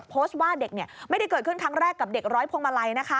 โพสต์ว่าเด็กไม่ได้เกิดขึ้นครั้งแรกกับเด็กร้อยพวงมาลัยนะคะ